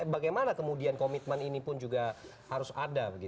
bagaimana kemudian komitmen ini pun juga harus ada